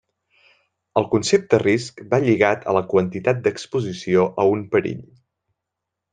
El concepte risc va lligat a la quantitat d'exposició a un perill.